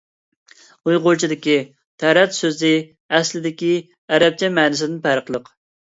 ئۇيغۇرچىدىكى «تەرەت» سۆزى ئەسلىدىكى ئەرەبچە مەنىسىدىن پەرقلىق.